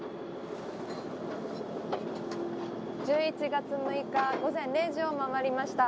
１１月６日午前０時を回りました。